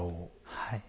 はい。